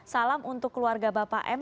salam untuk keluarga bapak m